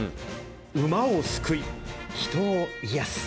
馬を救い、人を癒やす。